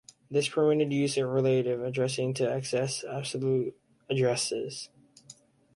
This permitted use of relative addressing to access absolute addresses.